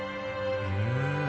へえ！